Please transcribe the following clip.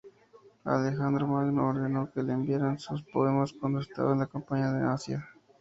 Alejandro Magno ordenó que le enviaran sus poemas cuando estaba de campaña en Asia.